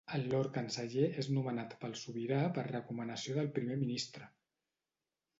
El Lord canceller és nomenat pel Sobirà per recomanació del Primer ministre.